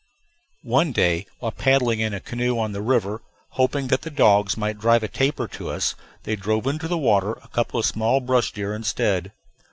One day while paddling in a canoe on the river, hoping that the dogs might drive a tapir to us, they drove into the water a couple of small bush deer instead.